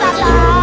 tauan di mana